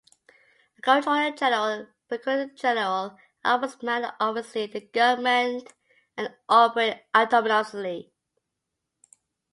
A Comptroller General, Procurator General, and an Ombudsman oversee the government and operate autonomously.